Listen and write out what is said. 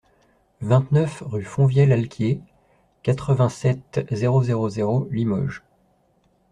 vingt-neuf rue Fonvieille-Alquier, quatre-vingt-sept, zéro zéro zéro, Limoges